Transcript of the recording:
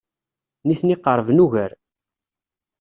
Nitni qerben ugar.